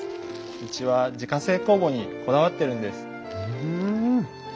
うちは自家製酵母にこだわってるんです。